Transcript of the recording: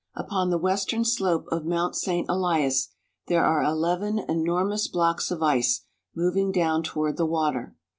Upon the western slope of Mount St. Elias there are eleven enormous blocks of ice moving down toward the water.